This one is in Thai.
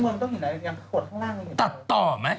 ก็ตัดต่อไหม